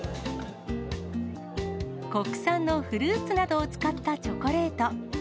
国産のフルーツなどを使ったチョコレート。